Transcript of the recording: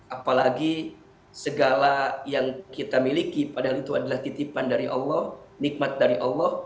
apalagi segala yang kita miliki padahal itu adalah titipan dari allah nikmat dari allah